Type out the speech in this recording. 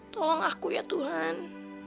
tolong aku ya tuhan